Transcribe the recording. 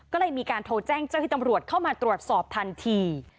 ก็เลยมีการโทรแจ้งเจ้าที่ตำรวจเข้ามาตรวจสอบทันที